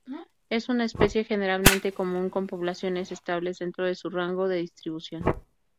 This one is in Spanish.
Es una especie generalmente común, con poblaciones estables dentro de su rango de distribución.